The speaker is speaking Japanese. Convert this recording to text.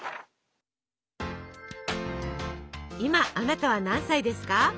今あなたは何歳ですか？